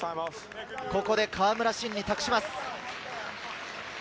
ここで川村慎に託します。